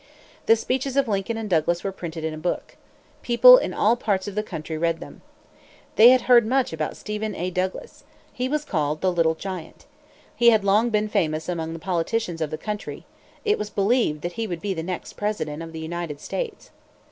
The speeches of Lincoln and Douglas were printed in a book. People in all parts of the country read them. They had heard much about Stephen A. Douglas. He was called "The Little Giant." He had long been famous among the politicians of the country. It was believed that he would be the next President of the United States.